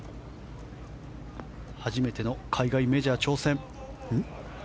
初めての海外メジャー挑戦。